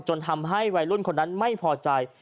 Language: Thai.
จนทำให้วัยรุ่นคนนั้นไม่พอใจ